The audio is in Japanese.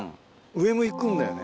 上向くんだよね。